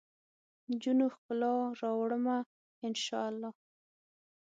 نجونو ؛ ښکلا راوړمه ، ان شا اللهدا